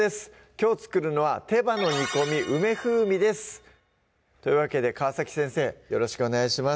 きょう作るのは「手羽の煮込み梅風味」ですというわけで川先生よろしくお願いします